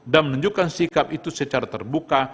menunjukkan sikap itu secara terbuka